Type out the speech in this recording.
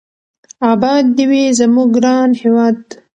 اباد دې وي زموږ ګران هېواد.